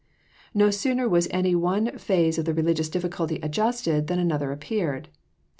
No sooner was any one phase of the religious difficulty adjusted than another appeared.